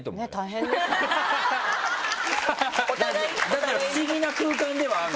だから不思議な空間ではある。